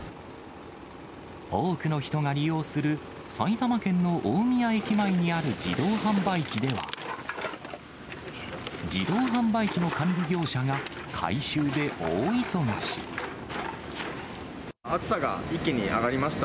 多くの人が利用する、埼玉県の大宮駅前にある自動販売機では、自動販売機の管理業者が回収で大忙し。